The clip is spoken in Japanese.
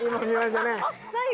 最後。